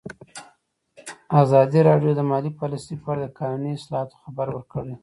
ازادي راډیو د مالي پالیسي په اړه د قانوني اصلاحاتو خبر ورکړی.